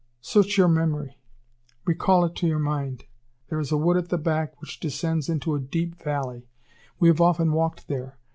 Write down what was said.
"Search your memory! recall it to your mind! There is a wood at the back, which descends into a deep valley. We have often walked there.